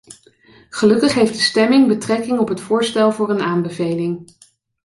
Gelukkig heeft de stemming betrekking op het voorstel voor een aanbeveling.